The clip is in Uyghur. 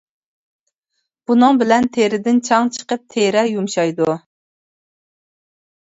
بۇنىڭ بىلەن تېرىدىن چاڭ چىقىپ تېرە يۇمشايدۇ.